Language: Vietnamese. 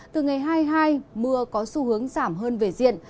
từ ngày hai mươi hai mưa có xu hướng giảm hơn về diện